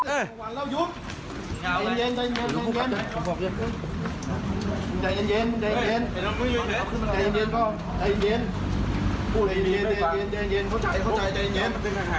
เอิ้นเย็นเอิ้นเย็น